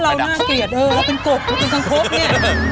ถ้าเราน่าเกลียดเราเป็นกบเราเป็นสังคบเนี่ย